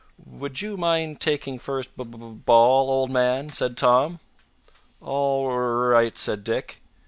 "Would you mind taking first b b ball, old man?" said Tom. "All r right," said Dick.